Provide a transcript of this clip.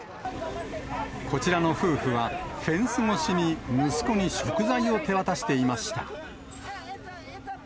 こちらの夫婦は、フェンス越しに、息子に食材を手渡していました。